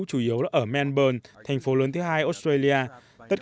chủ yếu là ở melbourne thành phố lớn thứ hai australia